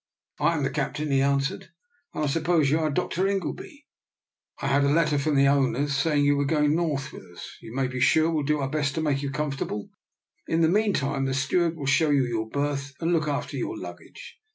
" I am the captain," he answered. " And I suppose you are Dr. Ingleby. I had a 74 DR. NIKOLA'S EXPERIMENT. letter from the owners saying you were going North with us. You may be sure we'll do our best to make you comfortable. In the meantime the steward will show you your berth and look after your luggage."